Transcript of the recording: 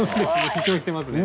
主張してますね。